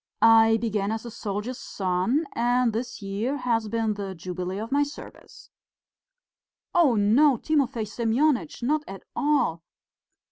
I began as a soldier's son, and this year has been the jubilee of my service." "Oh, no, Timofey Semyonitch, not at all.